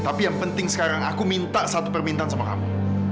tapi yang penting sekarang aku minta satu permintaan sama kamu